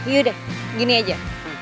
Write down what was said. yaudah gini aja